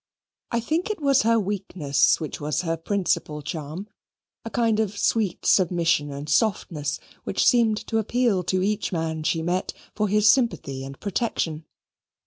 I think it was her weakness which was her principal charm a kind of sweet submission and softness, which seemed to appeal to each man she met for his sympathy and protection.